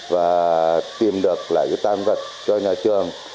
và tìm được lại cái tan vật cho nhà trường